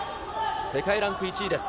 世界ランク１位です。